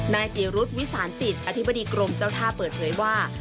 นายจีรุษวิสานจิตอธิบดีกรมเจ้าท่าเปิดเผยว่า